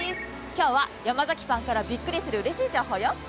今日は山崎パンからびっくりするうれしい情報よ。